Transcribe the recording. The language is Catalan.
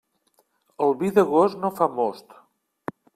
El vi d'agost no fa most.